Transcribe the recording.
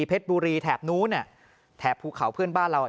เพชรบุรีแถบนู้นแถบเขาพื้นบ้านเรา